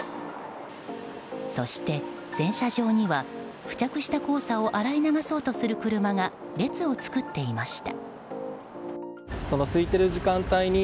そして、洗車場には付着した黄砂を洗い流そうとする車が列を作っていました。